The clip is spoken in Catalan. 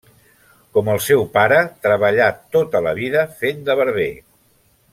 Com el seu pare, treballà tota la vida fent de barber.